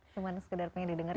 cuma sekedar pengen didengarkan